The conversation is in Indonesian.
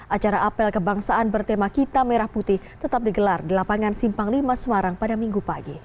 acara apel kebangsaan bertema kita merah putih tetap digelar di lapangan simpang lima semarang pada minggu pagi